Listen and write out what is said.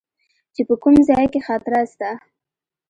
چې په کوم ځاى کښې خطره سته.